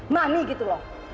mami gitu loh